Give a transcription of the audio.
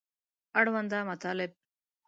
اړونده مطالب